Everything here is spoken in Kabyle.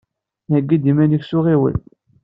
Heyyi-d iman-ik s uɣiwel.